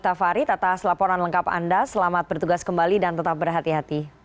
terima kasih pak